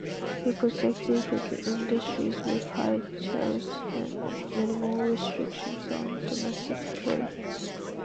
He protected his industries with high tariffs and minimal restrictions on domestic trade.